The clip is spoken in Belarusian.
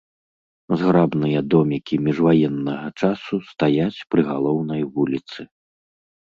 Зграбныя домікі міжваеннага часу стаяць пры галоўнай вуліцы.